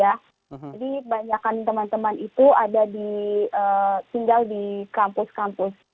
jadi banyak teman teman itu ada di tinggal di kampus kampus